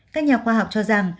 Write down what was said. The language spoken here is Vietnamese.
các nhà khoa học cho rằng